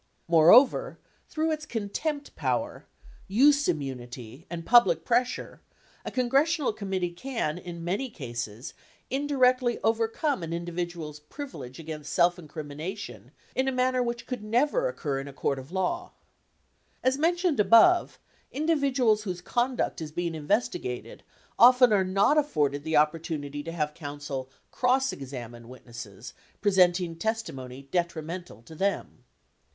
Moreover, through its contempt power, "use" immunity, and public pressure, a congressional committee can in many cases indirectly overcome an individual's privilege against self in crimination in a manner which could never occur in a court of law. As mentioned above, individuals whose conduct is being investigated, often are not afforded the opportunity to have counsel "cross examine" witnesses presenting testimony detrimental to them.